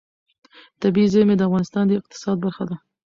طبیعي زیرمې د افغانستان د اقتصاد برخه ده.